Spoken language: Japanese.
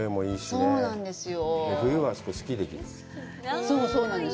そうなんですよ。